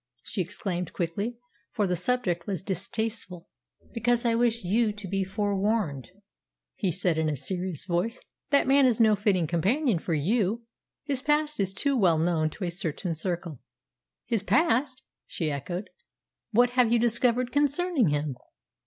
she exclaimed quickly, for the subject was distasteful. "Because I wish you to be forewarned," he said in a serious voice. "That man is no fitting companion for you. His past is too well known to a certain circle." "His past!" she echoed. "What have you discovered concerning him?"